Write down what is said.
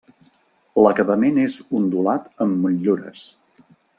L'acabament és ondulat amb motllures.